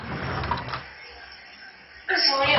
د چا د زړه ازار يې په څو واره دی اخيستئ